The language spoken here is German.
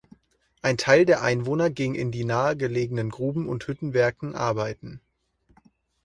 Ein Teil der Einwohner ging in die nahegelegenen Gruben und Hüttenwerken arbeiten.